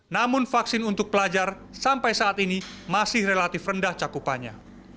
namun vaksin untuk pelajar sampai saat ini masih relatif rendah cakupannya